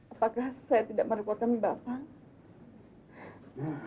apakah saya tidak menekuat kami bapak